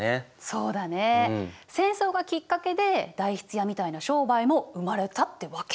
そうだね戦争がきっかけで代筆屋みたいな商売も生まれたってわけ。